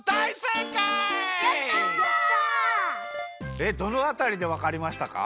えっどのあたりでわかりましたか？